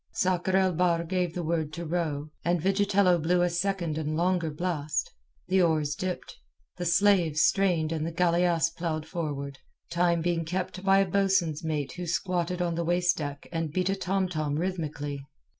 Sakr el Bahr gave the word to row, and Vigitello blew a second and longer blast. The oars dipped, the slaves strained and the galeasse ploughed forward, time being kept by a boatswain's mate who squatted on the waist deck and beat a tomtom rhythmically.